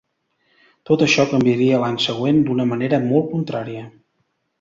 Tot això canviaria l'any següent d'una manera molt contrària.